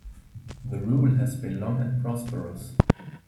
The rule has been long and prosperous.